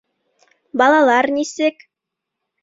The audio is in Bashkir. Балалар нисек?